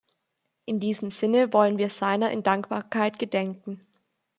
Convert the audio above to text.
In diesem Sinne wollen wir seiner in Dankbarkeit gedenken.